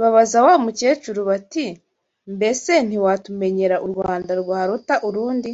Babaza wa mukecuru bati «Mbese ntiwatumenyera u Rwanda rwaruta urundi